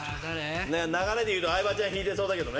流れでいうと相葉ちゃん引いてそうだけどね。